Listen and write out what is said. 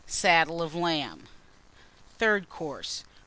Saddle of Lamb. Third Course.